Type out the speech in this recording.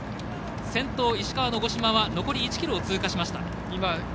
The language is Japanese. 先頭、石川の五島は残り１ｋｍを通過しました。